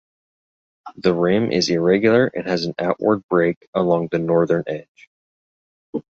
The rim is irregular and has an outward break along the northern edge.